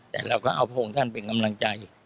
แต่เราก็เอาพระองค์ท่านเป็นกำลังใจ